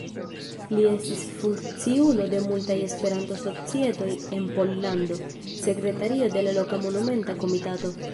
Li estis funkciulo de multaj Esperanto-Societoj en Pollando, sekretario de la Loka Monumenta Komitato.